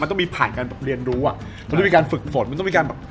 การเรียนรู้มันมีการฝึกฝนมันต้องมีการแบบ